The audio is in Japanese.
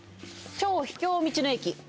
「超秘境道の駅」